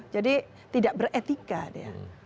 jadi tidak beretika dia